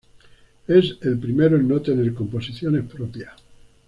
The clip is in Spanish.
Es el primero en no tener composiciones propias.